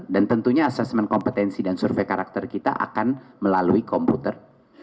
dan tentunya assessment kompetensi dan survei karakter kita akan melalui komputer